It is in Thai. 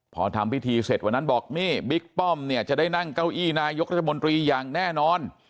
พอทำพิธีเสร็จวันนั้นบอกนี่บิ๊กป้อมเนี่ยจะได้นั่งเก้าอี้นายกรัฐมนตรีอย่างแน่นอน